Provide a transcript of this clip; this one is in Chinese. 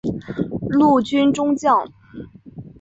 陆军中将。